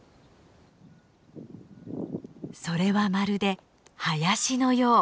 それはまるで林のよう。